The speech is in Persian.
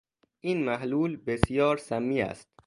این محلول بسیار سمی است